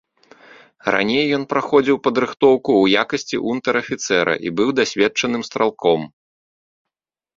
Раней ён праходзіў падрыхтоўку ў якасці унтэр-афіцэра і быў дасведчаным стралком.